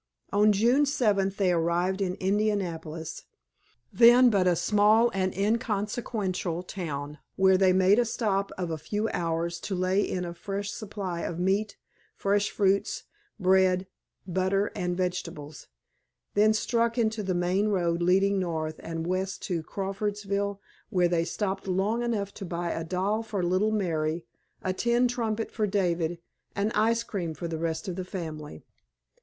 On June seventh they arrived in Indianapolis, then but a small and inconsequential town, where they made a stop of a few hours to lay in a fresh suppy of meat, fresh fruits, bread, butter, and vegetables, then struck into the main road leading north and west to Crawfordsville, where they stopped long enough to buy a doll for little Mary, a tin trumpet for David, and ice cream for the rest of the family.